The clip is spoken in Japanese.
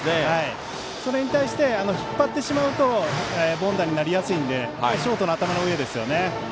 それに対して引っ張ってしまうと凡打になりやすいのでショートの頭の上ですよね。